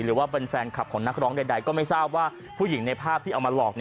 หรือว่าเป็นแฟนคลับของนักร้องใดก็ไม่ทราบว่าผู้หญิงในภาพที่เอามาหลอก